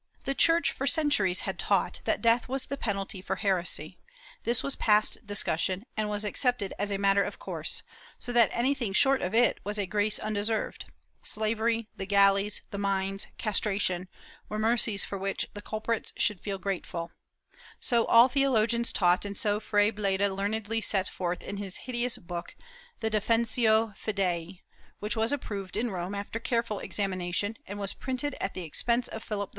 The Church for centuries had taught that death was the penalty for heresy; this was past discussion and was accepted as a matter of course, so that anything short of it was a grace undeserved — slavery, the galleys, the mines, castration, were mercies for which the culprits should feel grate ful. So all theologians taught and so Fray Bleda learnedly set forth in his hideous book, the Defensio Fidei, which was approved in Rome after careful examination, and was printed at the ex * Ambassade en Turquie de Jean de Gontaut Biron, Baron de Salignac, II, 353 (Paris, 1889). » Danvila y CoUado, pp.